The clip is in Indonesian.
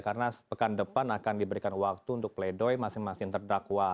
karena sepekan depan akan diberikan waktu untuk pledoi masing masing terdakwa